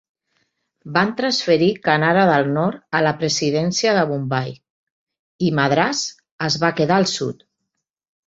Van transferir Kanara del nord a la Presidència de Bombai, i Madràs es va quedar el sud.